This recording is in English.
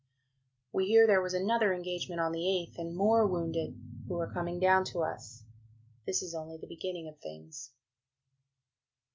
We hear there was another engagement on the 8th and more wounded, who are coming down to us. This is only the beginning of things.